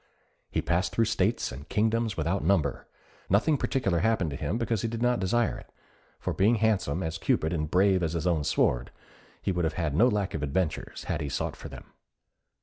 He passed through states and kingdoms without number: nothing particular happened to him because he did not desire it; for being handsome as Cupid and brave as his own sword, he would have had no lack of adventures had he sought for them.